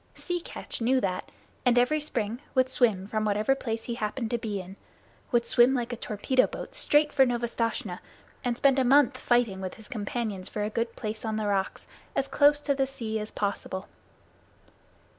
Sea Catch knew that, and every spring would swim from whatever place he happened to be in would swim like a torpedo boat straight for Novastoshnah and spend a month fighting with his companions for a good place on the rocks, as close to the sea as possible.